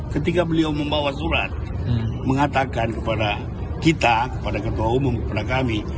ketika beliau membawa surat mengatakan kepada kita kepada ketua umum kepada kami